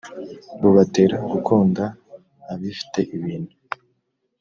Bubatera gukunda abifite ibintu